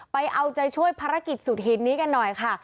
ไปเอาใจช่วยภารกิจสุดหินนี้กันหน่อยค่ะ